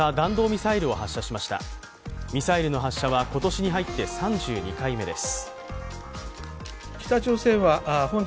ミサイルの発射は今年に入って３２回目です。